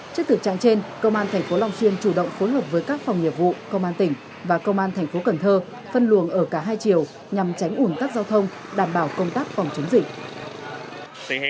trước thực trạng trên công an tp long xuyên chủ động phối hợp với các phòng nghiệp vụ công an tỉnh và công an thành phố cần thơ phân luồng ở cả hai chiều nhằm tránh ủn tắc giao thông đảm bảo công tác phòng chống dịch